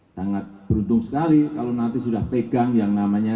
sangat beruntung sekali kalau nanti sudah pegang yang namanya